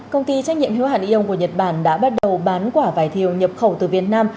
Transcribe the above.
công ty trách nhiệm hiếu hẳn yêu của nhật bản đã bắt đầu bán quả vài thiều nhập khẩu từ việt nam